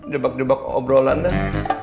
jebak jebak obrolan dah